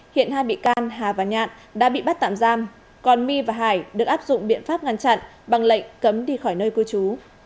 hiện hai bị can hà và nhạn đã bị bắt tạm giam còn my và hải được áp dụng biện pháp ngăn chặn bằng lệnh cấm đi khỏi nơi cư trú